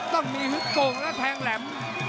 ต้องมีฮึกโป่งและแทงแหลม